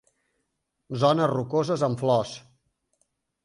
Zones rocoses amb flors.